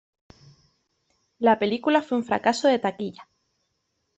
La película fue un fracaso de taquilla.